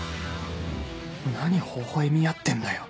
何ほほ笑み合ってんだよ